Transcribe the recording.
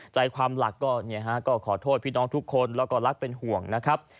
ใจความหลักก็ขอโทษพี่น้องทุกคนแล้วก็รักเป็นห่วงนะครับ